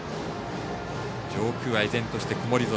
上空は依然として曇り空。